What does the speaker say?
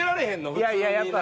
いやいややっぱ。